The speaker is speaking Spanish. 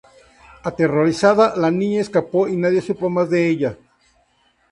Aterrorizada, la niña escapó y nadie supo más de ella.